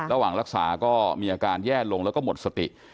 ระหว่างรักษาก็มีอาการแย่ลงแล้วก็หมดสติ